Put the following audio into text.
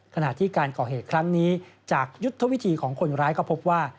ขณะที่การก่อเหตุครั้งนี้จากยุทธวิธีของคนร้ายก็พบว่า